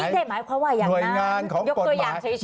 มีเทปหมายความไหวอย่างนั้นยกตัวอย่างเฉย